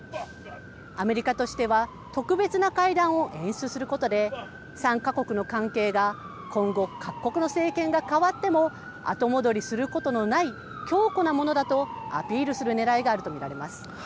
アメリカとしては、特別な会談を演出することで、３か国の関係が今後、各国の政権が代わっても後戻りすることのない強固なものだとアピールするねらいがあるものと見られます。